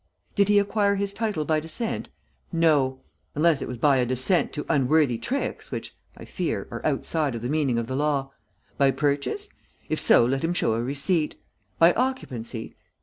"Did he acquire his title by descent? No; unless it was by a descent to unworthy tricks which, I fear, are outside of the meaning of the law. By purchase? If so, let him show a receipt. By occupancy?